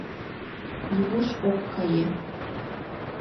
Нигуш ок кае.